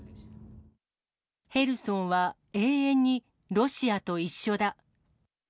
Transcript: ヘルソンは永遠にロシアと一緒だ。